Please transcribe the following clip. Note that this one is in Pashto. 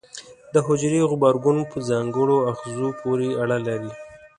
د حجرې غبرګون په ځانګړو آخذو پورې اړه لري.